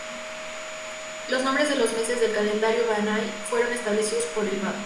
Los nombres de los meses del calendario bahá'í, fueron establecidos por El Báb.